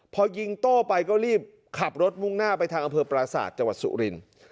พอยิงโต้ไปก็รีบขับรถมุ่งหน้าไปทางอำเภอปราศาสตร์จังหวัดสุรินทร์